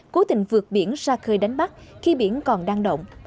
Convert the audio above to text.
cố tình vượt biển ra khơi đánh bắt khi biển còn đang động